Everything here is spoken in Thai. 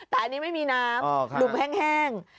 แต่อันนี้ไม่มีน้ำลุมแห้ง